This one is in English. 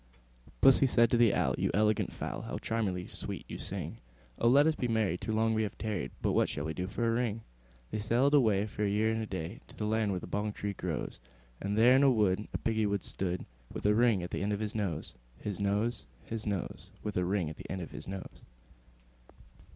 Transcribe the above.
II. Pussy said to the Owl, "You elegant fowl, How charmingly sweet you sing! Oh! let us be married; too long we have tarried: But what shall we do for a ring?" They sailed away, for a year and a day, To the land where the bong tree grows; And there in a wood a Piggy wig stood, With a ring at the end of his nose, His nose, His nose, With a ring at the end of his nose.